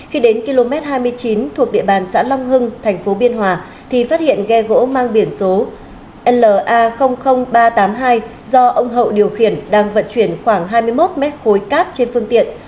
khi đến km hai mươi chín thuộc địa bàn xã long hưng thành phố biên hòa thì phát hiện ghe gỗ mang biển số la ba trăm tám mươi hai do ông hậu điều khiển đang vận chuyển khoảng hai mươi một mét khối cát trên phương tiện